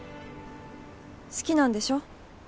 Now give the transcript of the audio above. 好きなんでしょ？